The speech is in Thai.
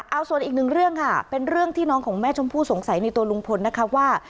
เอาส่วนอีกหนึ่งเรื่องค่ะเป็นเรื่องที่น้องของแม่ชมพู่สงสัยในตัวลุงพลนะคะว่า